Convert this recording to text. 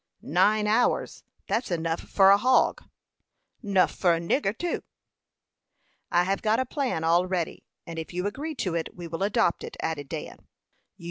"Nine hours; that's enough for a hog." "Nuff for a nigger too." "I have got a plan all ready, and if you agree to it we will adopt it," added Dan.